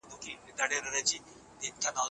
د زړه درد جدي ونيسه